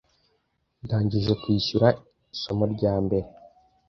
Ndangije kwishyura isomo rya mbere.